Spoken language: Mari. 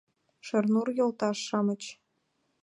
Шернур йолташ-шамыч!